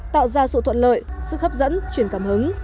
tạo ra sự thuận lợi sức hấp dẫn chuyển cảm hứng